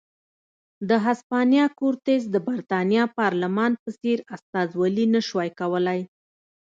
د هسپانیا کورتس د برېټانیا پارلمان په څېر استازولي نه شوای کولای.